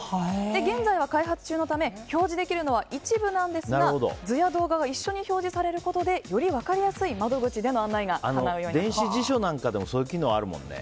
現在は開発中のため表示できるのは一部なんですが、図や動画が一緒に表示されることでより分かりやすい窓口での電子辞書でもそういう機能があるもんね。